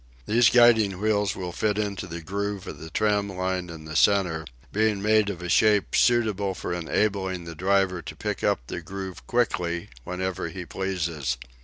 These guiding wheels will fit into the groove of the tram line in the centre, being made of a shape suitable for enabling the driver to pick up the groove quickly whenever he pleases.